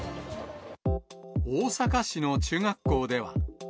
大阪市の中学校では。